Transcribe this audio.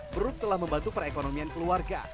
perut telah membantu perekonomian keluarga